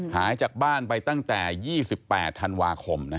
หายจากบ้านไปตั้งแต่๒๘ธันวาคม